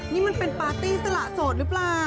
นี่มันเป็นปาร์ตี้สละโสดหรือเปล่า